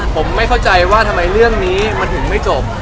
ผมไม่เข้าใจว่าทำไมเรื่องนี้มันถึงไม่จบ